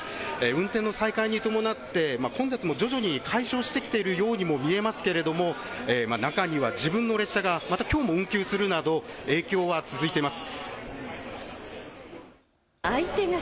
運転の再開に伴って混雑も徐々に解消してきているようにも見えますけれども中には自分の列車がまたきょうも運休するなど影響は続いています。